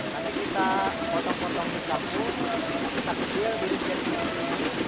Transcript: nanti kita potong potong di tabung kita kecil di dikecil